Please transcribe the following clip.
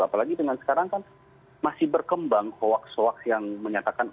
apalagi dengan sekarang kan masih berkembang hoaks hoaks yang menyatakan